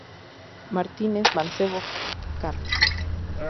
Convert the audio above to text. Martínez Mancebo, Carlos.